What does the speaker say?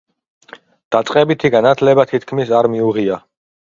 დაწყებითი განათლება თითქმის არ მიუღია.